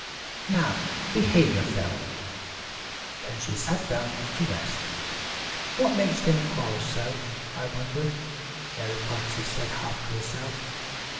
"Now, behave yourselves!" Then she sat down to rest. "What makes them quarrel so, I wonder," Mary Frances said half to herself.